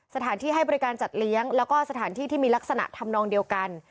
สถานที่ให้บริการจัดเลี้ยงแล้วก็สถานที่ที่มีลักษณะทำนองเดียวกัน